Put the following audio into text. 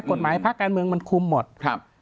กฎหมายภาคการเมืองมันคุมหมดครับ